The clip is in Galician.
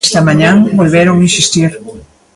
Esta mañá volveron insistir.